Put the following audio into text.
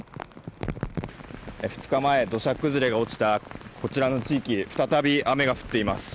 ２日前、土砂崩れが起きたこちらの地域に再び雨が降っています。